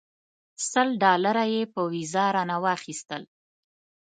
سل ډالره یې په ویزه رانه واخیستل.